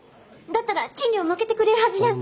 だったら賃料負けてくれるはずじゃ。